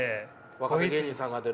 若手芸人さんが出るような。